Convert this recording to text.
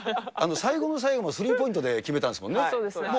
最後の最後、スリーポイントで決めたんですもんね。